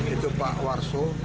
itu pak warso